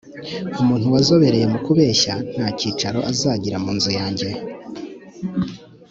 umuntu wazobereye mu kubeshya, nta cyicaro azagira mu nzu yanjye